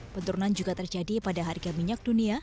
penturunan juga terjadi pada harga minyak dunia